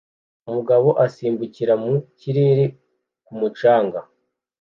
Umugabo asimbukira mu kirere ku mucanga